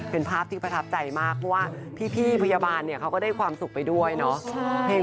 เป็นภาพที่ประทับใจมากเพราะว่าพี่พยาบาลเนี่ยเขาก็ได้ความสุขไปด้วยเนาะ